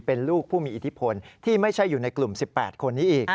เป็นลูกผู้มีอิทธิพลที่ไม่ใช่อยู่ในกลุ่ม๑๘คนนี้อีก